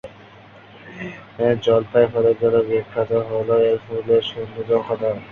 জলপাই ফলের জন্য বিখ্যাত হলেও এর ফুলের সৌন্দর্য অসাধারণ।